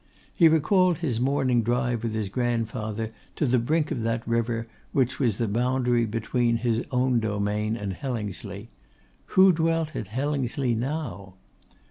He recalled his morning drive with his grandfather, to the brink of that river which was the boundary between his own domain and Hellingsley. Who dwelt at Hellingsley now?